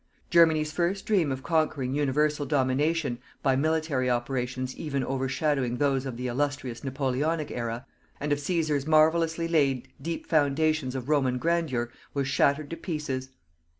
Germany's first dream of conquering universal domination by military operations even overshadowing those of the illustrious Napoleonic Era, and of Cæsar's marvellously laid deep foundations of Roman grandeur, was shattered to pieces.